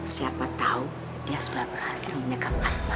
siapa tahu dia sudah berhasil menyekap asma